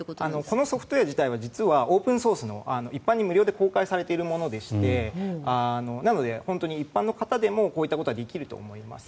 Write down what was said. このソフトウェア自体は実はオープンソースの一般に無料で公開されているもので一般の方でもこういうことはできます。